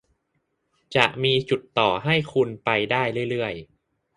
จะมีจุดต่อให้คุณไปได้เรื่อย